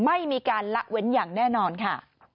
ไม่มีการละเว้นอย่างแน่นอนค่ะ